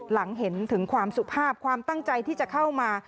หลังเห็นถึงความสุภาพความตั้งใจที่จะเข้ามา